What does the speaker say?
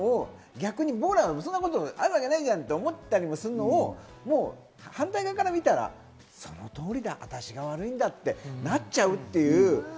逆に僕らそんなことあるわけないじゃんって思ったりもするのを反対側から見たら「その通りだ私が悪いんだ」ってなっちゃうっていう。